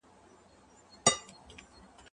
هغه محصلان چي بهر ته ځي، بايد بېرته راسي.